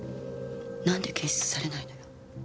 なんで検出されないのよ。